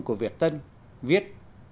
của việt tân viết